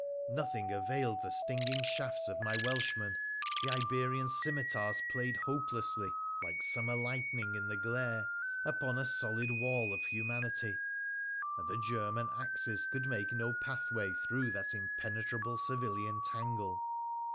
Nothing availed the stinging shafts of my Welshmen, the Iberian scimitars played hopelessly (like summer lightning in the glare) upon a solid wall of humanity, and the German axes could make no path way through that impenetrable civilian tangle.